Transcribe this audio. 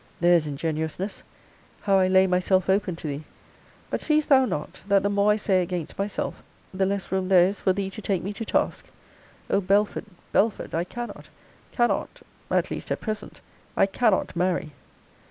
There's ingenuousness! How I lay myself open to thee! But seest thou not, that the more I say against myself, the less room there is for thee to take me to task? O Belford, Belford! I cannot, cannot (at least at present) I cannot marry.